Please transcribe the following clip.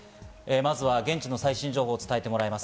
まずは現地の最新情報を伝えてもらいます。